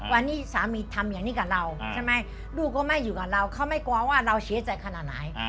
วันนี้สามีทำอย่างนี้กับเราใช่ไหมลูกก็ไม่อยู่กับเราเขาไม่กลัวว่าเราเสียใจขนาดไหน